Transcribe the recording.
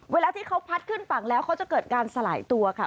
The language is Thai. เวลาที่เขาพัดขึ้นฝั่งแล้วเขาจะเกิดการสลายตัวค่ะ